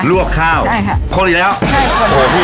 ลวกข้าวได้ค่ะโคตรดีแล้วใช่โอ้โฮพี่